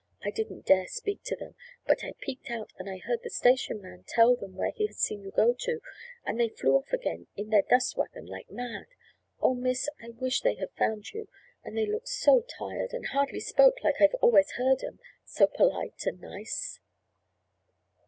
I didn't dare speak to them, but I peeked out and I heard the station man tell them where he had seen you go to, and they flew off again in their dust wagon like mad. Oh, Miss, I wish they had found you, and they looked so tired and hardly spoke like I've always heard 'em, so polite and nice."